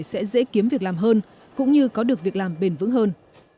các ngành công nghiệp sẽ dễ kiếm việc làm hơn cũng như có được việc làm bền vững hơn